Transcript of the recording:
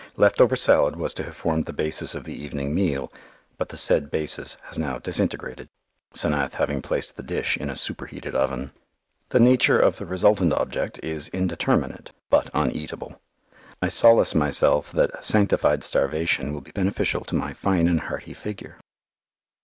Left over salad was to have formed the basis of the evening meal, but the said basis has now disintegrated, 'Senath having placed the dish in a superheated oven. The nature of the resultant object is indeterminate, but uneatable. I solace myself that sanctified starvation will be beneficial to my "fine and hearty" figure.